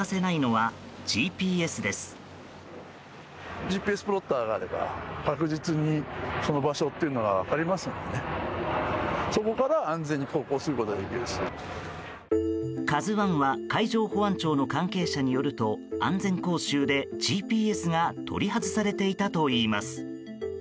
「ＫＡＺＵ１」は海上保安庁の関係者によると安全講習でＧＰＳが取り外されていたといいます。